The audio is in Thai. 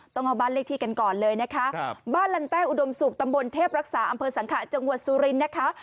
ต้องเอาบ้านเลขที่กันก่อนเลยนะคะบ้านลันแต้อุดมศุกร์ตำบลเทพรักษาอำเภอสังขะจังหวัดสุรินทร์นะคะ